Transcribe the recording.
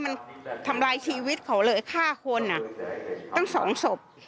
มันทำร้ายชีวิตเขาเลยฆ่าคนตั้งสองศพ